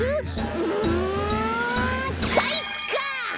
うんかいか！